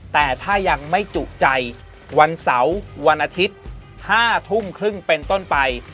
แต่ถ้ายังไม่จุใจวันเสาร์วันอาทิตย์๕ทุ่มครึ่งเป็นต้นไป